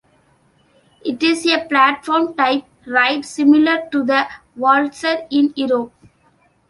It is a platform-type ride similar to the Waltzer in Europe.